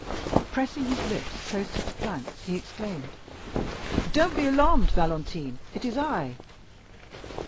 Pressing his lips close to the planks, he exclaimed: "Don't be alarmed, Valentine—it is I!"